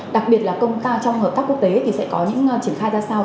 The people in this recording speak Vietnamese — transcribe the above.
đặc biệt là công ta trong hợp tác quốc tế sẽ có những triển khai ra sao